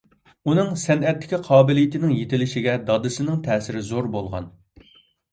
ئۇنىڭ سەنئەتتىكى قابىلىيىتىنىڭ يېتىلىشىگە دادىسىنىڭ تەسىرى زور بولغان.